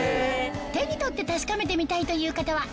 手に取って確かめてみたいという方は